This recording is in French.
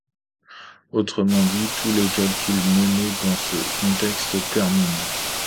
Autrement dit, tous les calculs menés dans ce contexte terminent.